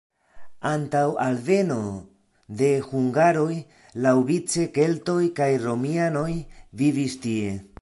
Antaŭ alveno de hungaroj laŭvice keltoj kaj romianoj vivis tie.